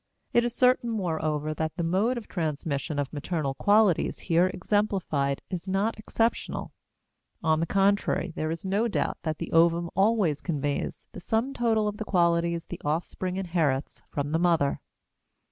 It is certain, moreover, that the mode of transmission of material qualities here exemplified is not exceptional; on the contrary there is no doubt that the ovum always conveys the sum total of the qualities the offspring inherits from the mother.